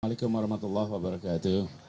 assalamualaikum wr wb